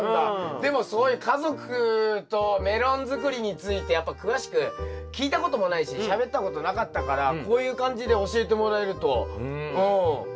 でもそういう家族とメロンづくりについてやっぱ詳しく聞いたこともないししゃべったことなかったからこういう感じで教えてもらえるとちょっと助かりますね。